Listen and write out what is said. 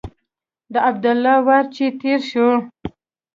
د عبدالله وار چې تېر شو.